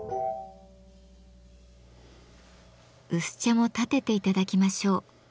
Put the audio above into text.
薄茶もたてていただきましょう。